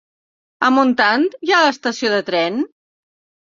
A Montant hi ha estació de tren?